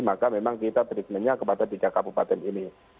maka memang kita treatmentnya kepada tiga kabupaten ini